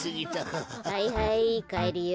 はいはいかえるよ。